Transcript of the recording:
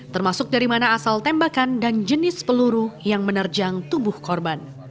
termasuk dari mana asal tembakan dan jenis peluru yang menerjang tubuh korban